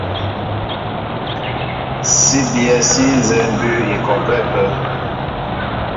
Sí bíyɛ́ sí nzɛ́ɛ́ mbʉ́ʉ́ i kɔ gwɛ́ ápə́.